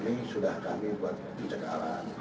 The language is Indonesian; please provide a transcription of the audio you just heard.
ini enam orang ini sudah kami buat pencegahan